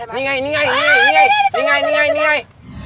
มีอีกไง